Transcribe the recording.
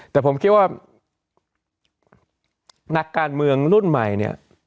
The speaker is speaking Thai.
แต่ผมคิดว่านักการเมืองรุ่นใหม่เนี่ย